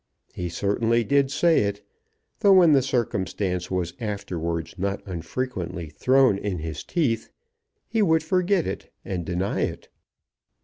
He certainly did say it, though when the circumstance was afterwards not unfrequently thrown in his teeth, he would forget it and deny it.